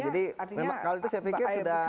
memang kalau itu saya pikir sudah